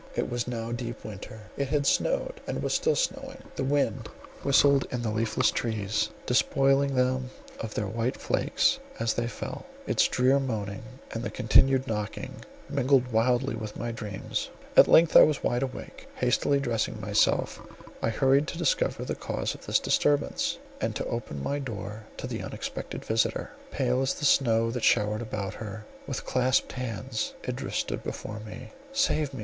It was now deep winter; it had snowed, and was still snowing; the wind whistled in the leafless trees, despoiling them of the white flakes as they fell; its drear moaning, and the continued knocking, mingled wildly with my dreams— at length I was wide awake; hastily dressing myself, I hurried to discover the cause of this disturbance, and to open my door to the unexpected visitor. Pale as the snow that showered about her, with clasped hands, Idris stood before me. "Save me!"